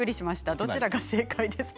どちらが正解ですか？